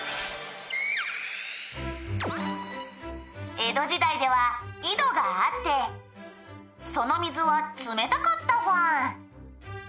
「江戸時代では井戸があってその水は冷たかったフォン」